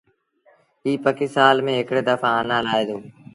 ايٚ پکي سآل ميݩ هڪڙي دڦآ آنآ لآهي دو۔